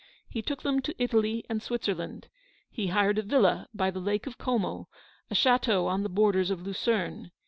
He took them to Italy and Switzerland. He hired a villa by the Lake of Como ; a chateau on the borders of Lucerne.